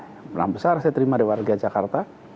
yang pernah besar saya terima dari warga jakarta